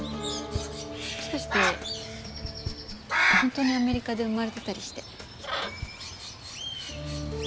もしかして本当にアメリカで生まれてたりして。